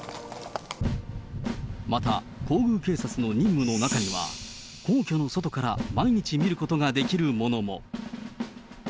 また、皇宮警察の任務の中には、皇居の外から毎日見ることができるものも。